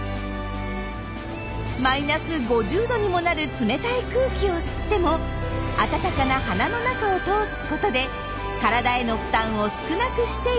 マイナス５０℃にもなる冷たい空気を吸っても温かな鼻の中を通すことで体への負担を少なくしているんです。